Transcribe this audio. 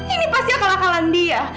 ini pasti akal akalan dia